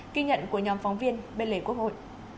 ghi nhận của nhóm phóng viên bên lề quốc hội